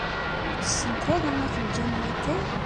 Ur ttessent ara afenǧal n watay?